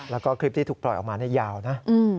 แล้วก็คลิปที่ถูกปล่อยออกมายาวนะ